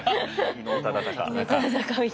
伊能忠敬。